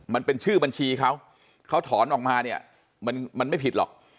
มันเป็นชื่อบัญชีเขาเขาถอนออกมาเนี่ยมันไม่ผิดหรอก